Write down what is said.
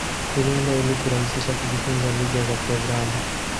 Iliundwa ili kurahisisha kujifunza lugha za programu.